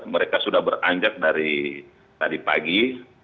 mereka sudah beranjak dari tadi pagi